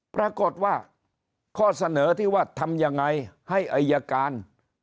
ปรากฏว่าข้อเสนอที่ว่าทำยังไงให้อายการ